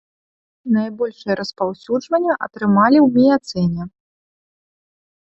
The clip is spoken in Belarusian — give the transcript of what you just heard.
Найбольшае распаўсюджванне атрымалі ў міяцэне.